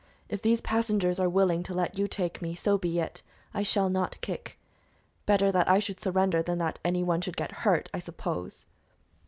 "If these passengers are willing to let you take me, so be it; I shall not kick. Better that I should surrender than that any one should get hurt, I suppose."